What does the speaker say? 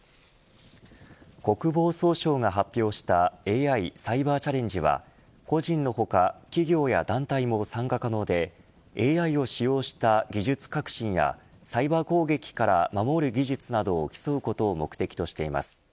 国防総省が発表したＡＩサイバーチャレンジは個人の他企業や団体も参加可能でＡＩを使用した技術革新やサイバー攻撃から守る技術などを競うことを目的としています。